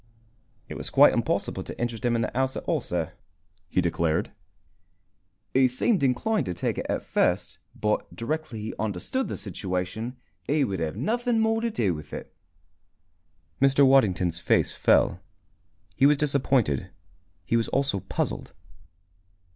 "It was quite impossible to interest him in the house at all, sir," he declared. "He seemed inclined to take it at first, but directly he understood the situation he would have nothing more to do with it." Mr. Waddington's face fell. He was disappointed. He was also puzzled.